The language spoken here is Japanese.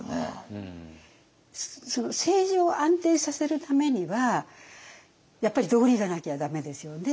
政治を安定させるためにはやっぱり道理がなきゃ駄目ですよね。